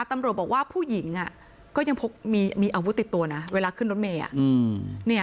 ตำรวจบอกว่าผู้หญิงก็ยังพกมีอาวุธติดตัวนะเวลาขึ้นรถเมย์